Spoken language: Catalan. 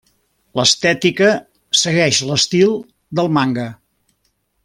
L'estètica segueix l'estil del manga.